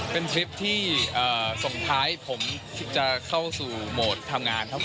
เป็นทริปที่ส่งท้ายผมจะเข้าสู่โหมดทำงานครับผม